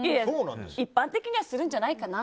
一般的にはするんじゃないかな。